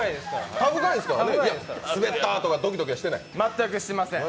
タフガイですからね、スベったーとかドキドキしてない？